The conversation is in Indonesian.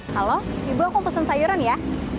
halo ibu aku mau pesan sayuran ya